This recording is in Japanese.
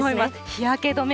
日焼け止め